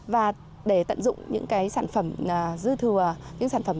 và để tận dụng những sản phẩm sau thu hoạch từ nông nghiệp